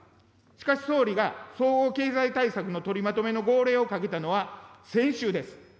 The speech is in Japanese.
しかし、総理が総合経済対策の取りまとめの号令をかけたのは先週です。